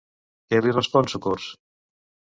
Què li respon Socors?